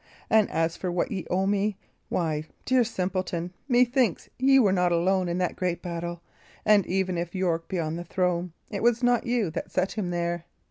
And as for what ye owe me, why, dear simpleton, methinks ye were not alone in that great battle; and even if York be on the throne, it was not you that set him there.